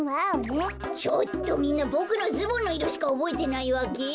みんなボクのズボンのいろしかおぼえてないわけ！？